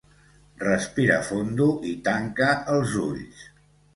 Respira fondo i tanca els ulls.